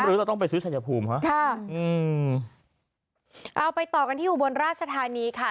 เราต้องไปซื้อชายภูมิฮะค่ะอืมเอาไปต่อกันที่อุบลราชธานีค่ะ